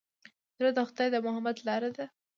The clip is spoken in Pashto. زړه د خدای د محبت لاره ده.